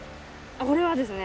これはですね